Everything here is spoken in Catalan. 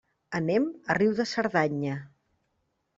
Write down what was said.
Anem a Riu de Cerdanya.